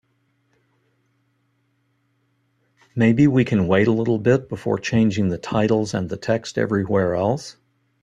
Maybe we can wait a little bit before changing the titles and the text everywhere else?